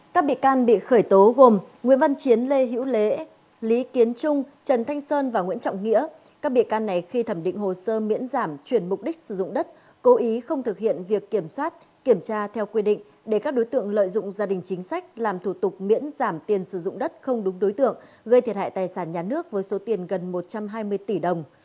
các bị can này khi thẩm định hồ sơ miễn giảm chuyển mục đích sử dụng đất cố ý không thực hiện việc kiểm soát kiểm tra theo quy định để các đối tượng lợi dụng gia đình chính sách làm thủ tục miễn giảm tiền sử dụng đất không đúng đối tượng gây thiệt hại tài sản nhà nước với số tiền gần một trăm hai mươi tỷ đồng